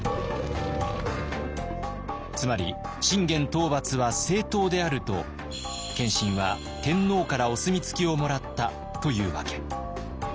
つまり信玄討伐は正当であると謙信は天皇からお墨付きをもらったというわけ。